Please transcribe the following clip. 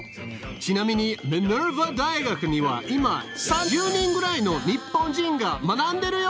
ちなみにミネルバ大学には今３０人ぐらいの日本人が学んでるよ！